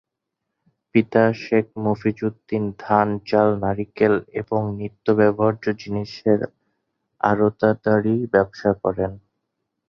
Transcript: পিতা শেখ মফিজউদ্দীন ধান, চাল, নারিকেল এবং নিত্য ব্যবহার্য জিনিসের আড়তদারি ব্যবসা করতেন।